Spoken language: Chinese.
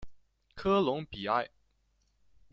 科隆比埃。